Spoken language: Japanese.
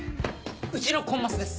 うちのコンマスです。